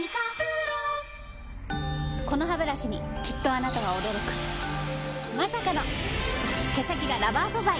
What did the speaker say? このハブラシにきっとあなたは驚くまさかの毛先がラバー素材！